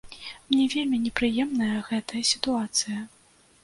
Мне вельмі непрыемная гэтая сітуацыя.